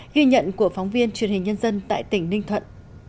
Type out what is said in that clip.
ghi nhận của phóng viên truyền hình nhân dân tại tỉnh ninh thuận